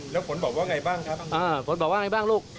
แล้วฝนบอกว่าไงบ้างครับฝนบอกว่าไงบ้างลูก